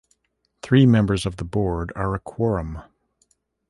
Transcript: Three members of the board are a quorum.